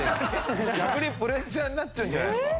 逆にプレッシャーになっちゃうんじゃないですか？